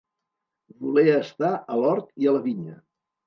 Voler estar a l'hort i a la vinya.